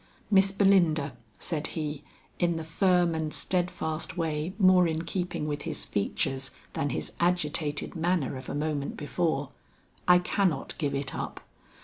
"Miss Belinda," said he, in the firm and steadfast way more in keeping with his features than his agitated manner of a moment before, "I cannot give it up.